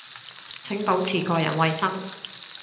請保持個人衛生